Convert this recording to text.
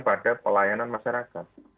pada pelayanan masyarakat